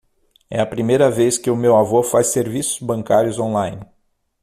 É a primeira vez que o meu avô faz serviços bancários online.